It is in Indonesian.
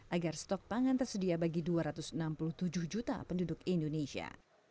agar stok pangan tersedia bagi dua ratus enam puluh tujuh juta penduduk indonesia